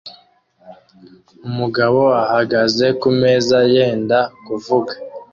Umugabo ahagaze kumeza yenda kuvuga